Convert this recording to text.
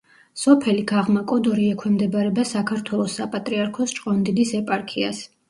სოფელი გაღმა კოდორი ექვემდებარება საქართველოს საპატრიარქოს ჭყონდიდის ეპარქიას.